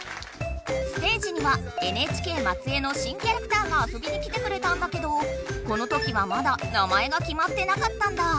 ステージにはＮＨＫ松江の新キャラクターが遊びに来てくれたんだけどこのときはまだ名前がきまってなかったんだ。